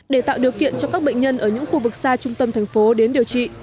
để tạo điều kiện cho các bệnh nhân ở những khu vực xa trung tâm thành phố đến điều trị